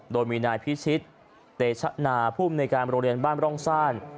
โดยมีนายพิชิตเตชะนาภูมิในการโรงเรียนบ้านร่องซ่าน